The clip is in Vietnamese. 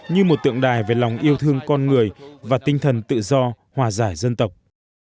như một tượng đài về lòng yêu thương con người và tinh thần tự do hòa giải dân tộc